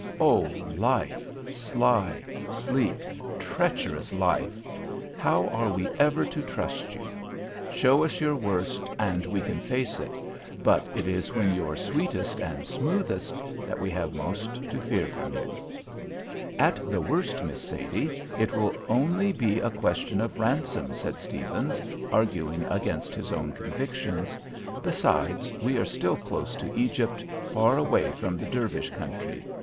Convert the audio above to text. Oh, life, sly, sleek, treacherous life, how are we ever to trust you? Show us your worst and we can face it, but it is when you are sweetest and smoothest that we have most to fear from you. "At the worst, Miss Sadie, it will only be a question of ransom," said Stephens, arguing against his own convictions. "Besides, we are still close to Egypt, far away from the Dervish country.